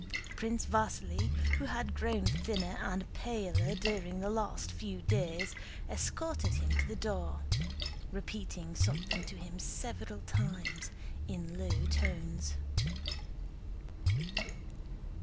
Prince Vasíli, who had grown thinner and paler during the last few days, escorted him to the door, repeating something to him several times in low tones.